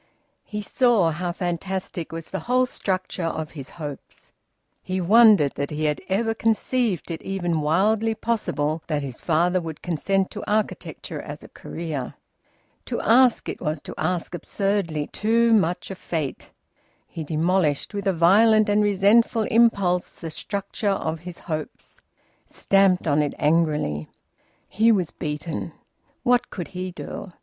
He saw how fantastic was the whole structure of his hopes. He wondered that he had ever conceived it even wildly possible that his father would consent to architecture as a career! To ask it was to ask absurdly too much of fate. He demolished, with a violent and resentful impulse, the structure of his hopes; stamped on it angrily. He was beaten. What could he do?